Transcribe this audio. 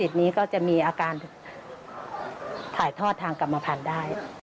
รกจิตนี้ก็จะมีอาการถ่ายทอดทางกรรมพันธุ์ได้